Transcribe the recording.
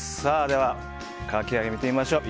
では、かき揚げを見てみましょう。